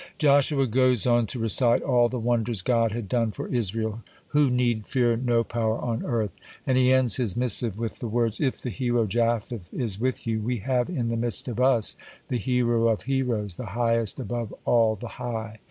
Joshua goes on to recite all the wonders God had done for Israel, who need fear no power on earth; and he ends his missive with the words: "If the hero Japheth is with you, we have in the midst of us the Hero of heroes, the Highest above all the high."